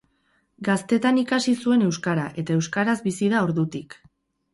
Gaztetan ikasi zuen euskara, eta euskaraz bizi da ordutik.